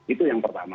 itu yang pertama